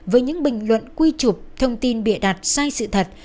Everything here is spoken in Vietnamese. với những bình luận quy trục thông tin bịa đặt sai sự thật